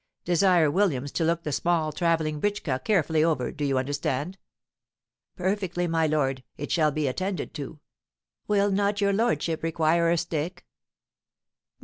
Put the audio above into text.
Desire Williams to look the small travelling britcska carefully over. Do you understand?" "Perfectly, my lord; it shall be attended to. Will not your lordship require a stick?" "No.